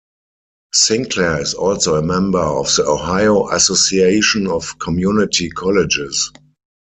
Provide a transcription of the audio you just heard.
Sinclair is also a member of the Ohio Association of Community Colleges.